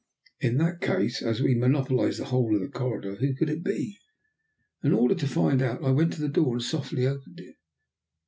In that case, as we monopolized the whole of the corridor, who could it be? In order to find out I went to the door, and softly opened it.